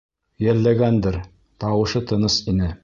Йәлләгәндер, тауышы тыныс ине.